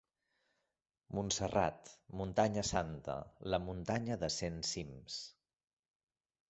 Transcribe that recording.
Montserrat, muntanya santa, la muntanya de cent cims.